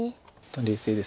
冷静です。